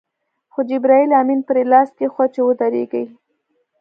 خو جبرائیل امین پرې لاس کېښود چې ودرېږي.